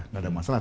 tidak ada masalah